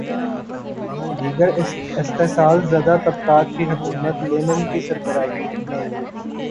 دیگر استحصال زدہ طبقات کی حکومت لینن کی سربراہی میں